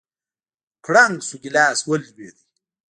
کړنگ سو گيلاس ولوېد.